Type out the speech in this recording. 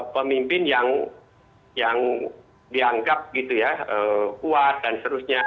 pemimpin yang dianggap kuat dan sebagainya